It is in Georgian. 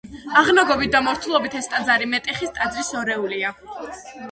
აღნაგობით და მორთულობით ეს ტაძარი მეტეხის ტაძრის ორეულია.